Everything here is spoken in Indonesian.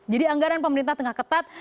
jadi anggaran pemerintah tengah ketat